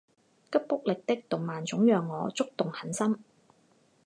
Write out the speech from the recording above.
吉卜力的动漫总让我触动很深